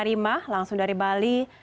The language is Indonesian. terima kasih ma langsung dari bali